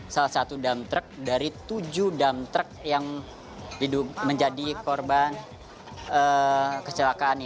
salah satu damter dari tujuh damter yang menjadi korban kecelakaan